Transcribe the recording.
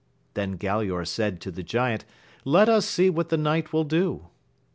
Then Galaor said to the giant, Let us see what the knight will do.